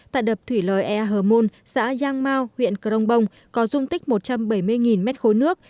tại đập thủy lời e hờ môn xã giang mau huyện crong bông có dung tích một trăm bảy mươi m ba nước